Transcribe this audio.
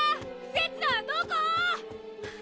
せつなどこ！